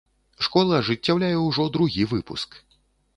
Школа ажыццяўляе ўжо другі выпуск.